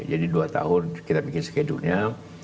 jadi dua tahun kita bikin skedulnya